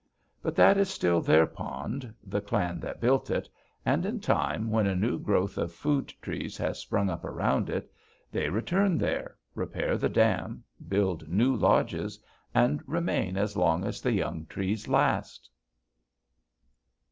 But that is still their pond, the clan that built it, and in time, when a new growth of food trees has sprung up around it, they return there, repair the dam, build new lodges, and remain as long as the young trees last."